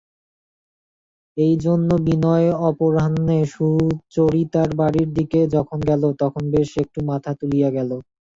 এইজন্য বিনয় অপরাহ্নে সুচরিতার বাড়ির দিকে যখন গেল তখন বেশ একটু মাথা তুলিয়া গেল।